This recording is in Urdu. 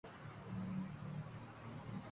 ملک میں بڑے بڑے کاروبار شروع کر رکھے ہیں